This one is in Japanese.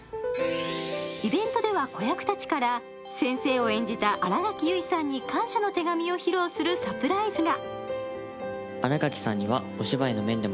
イベントでは子役たちから先生を演じた新垣結衣さんに感謝の手紙を披露するサプライズが。